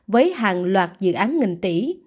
với hàng loạt dự án nghìn tỷ